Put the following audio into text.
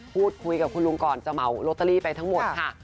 พูดคุยกับคุณลุงก่อนจะเหมาลอตเตอรี่ไปทั้งหมดค่ะ